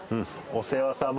お世話さま。